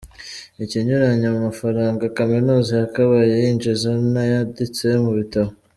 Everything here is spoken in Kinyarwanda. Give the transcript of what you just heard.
Ikinyuranyo mu mafaranga Kaminuza yakabaye yinjiza n’ayanditse mu bitabo.